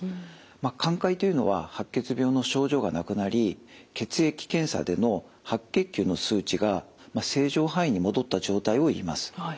寛解というのは白血病の症状がなくなり血液検査での白血球の数値が正常範囲に戻った状態をいいます。